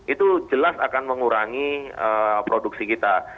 itu jelas akan mengurangi produksi kita